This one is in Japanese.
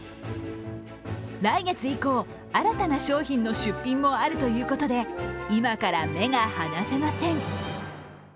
来月以降、新たな商品の出品もあるということで今から目が離せません。